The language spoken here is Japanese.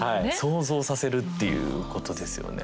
想像させるっていうことですよね